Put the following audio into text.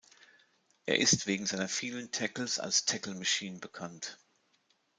Er ist wegen seiner vielen Tackles als "Tackle-Machine" bekannt.